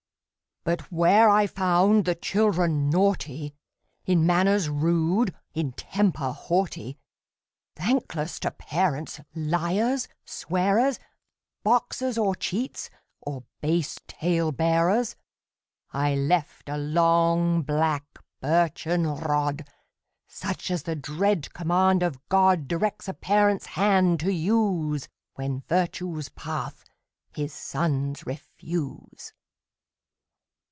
But where I found the children naughty, In manners rude, in temper haughty, Thankless to parents, liars, swearers, Boxers, or cheats, or base tale bearers, I left a long, black, birchen rod, Such as the dread command of God Directs a Parent's hand to use When virtue's path his sons refuse.